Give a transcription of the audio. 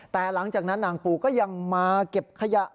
แต่หลังจากนั้นนางปูก็ยังมาเก็บขยะ